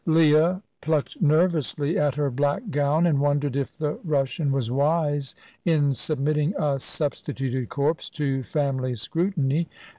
Leah plucked nervously at her black gown, and wondered if the Russian was wise in submitting a substituted corpse to family scrutiny.